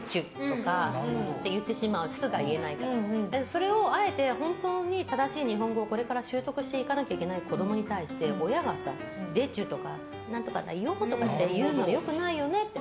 それをあえて本当に正しい日本語をこれから習得していかなきゃいけない子供に対して、親がでちゅとか何とかだよって言うのは良くないよねって。